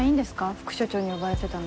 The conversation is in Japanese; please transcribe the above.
副署長に呼ばれてたの。